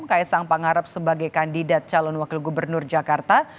kaisang pangarep sebagai kandidat calon wakil gubernur jakarta